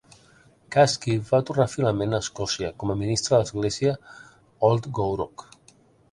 Caskie va tornar finalment a Escòcia com a ministre de l'església Old Gourock.